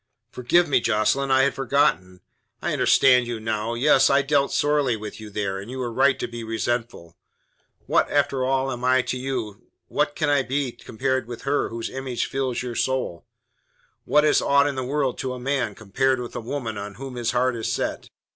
"Forgive me, Jocelyn. I had forgotten! I understand you now. Yes, I dealt sorely with you there, and you are right to be resentful. What, after all, am I to you what can I be to you compared with her whose image fills your soul? What is aught in the world to a man, compared with the woman on whom his heart is set?